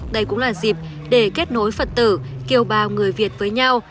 đây cũng là dịp để kết nối phật tử kiều bào người việt với nhau